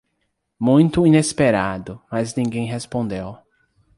Muito inesperado, mas ninguém respondeu